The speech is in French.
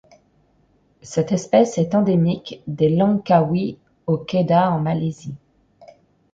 Cette espèce est endémique des Langkawi au Kedah en Malaisie.